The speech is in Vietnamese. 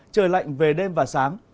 trời lạnh về đêm và sáng